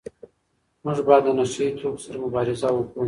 موږ باید له نشه يي توکو سره مبارزه وکړو.